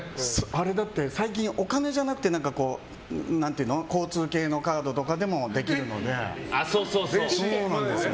あれ、最近お金じゃなくて交通系のカードとかでもできるので。